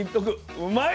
うまいッ！